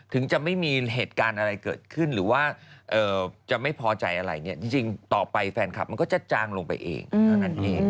ถึงจะไม่มีเหตุการณ์อะไรเกิดขึ้นหรือว่าจะไม่พอใจอะไรเนี่ยจริงต่อไปแฟนคลับมันก็จะจางลงไปเองเท่านั้นเอง